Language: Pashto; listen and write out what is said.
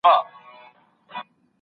قانون د ټولني لارښود و.